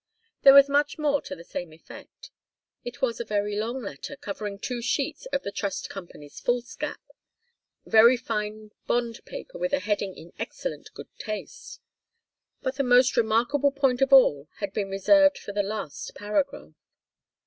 There was much more to the same effect. It was a very long letter, covering two sheets of the Trust Company's foolscap very fine bond paper with a heading in excellent good taste. But the most remarkable point of all had been reserved for the last paragraph.